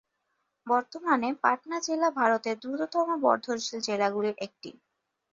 বর্তমানে পাটনা জেলা ভারতের দ্রুততম বর্ধনশীল জেলাগুলির একটি।